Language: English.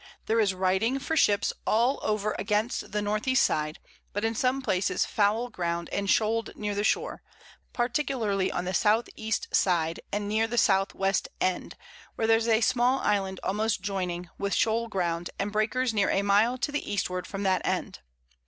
There is Riding for Ships all over against the North East Side; but in some places foul Ground, and shoal'd near the Shore, particularly on the South East Side, and near the South West End, where there's a small Island almost joining, with Shoal Ground, and Breakers near a Mile to the Eastward from that End.